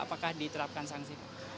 apakah diterapkan sanksi